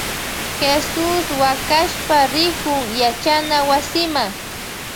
Jesus wakashpa rikun yachana wasima.